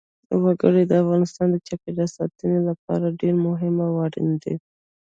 وګړي د افغانستان د چاپیریال ساتنې لپاره ډېر مهم او اړین دي.